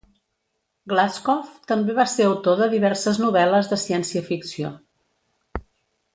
Glazkov també va ser autor de diverses novel·les de ciència-ficció.